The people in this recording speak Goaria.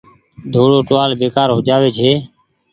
ۮوڙو ٽوهآل بيڪآر هو جآ وي ڇي۔